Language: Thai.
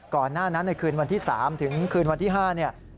ก่อนหน้านั้นในคืนวันที่๓ถึงคืนวันที่๕เนี่ย